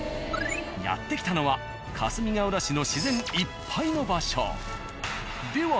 やって来たのはかすみがうら市の自然いっぱいの場所。